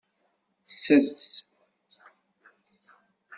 Sels.